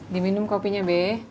diminum kopinya bek